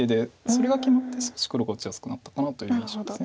それが決まって少し黒が打ちやすくなったかなという印象です。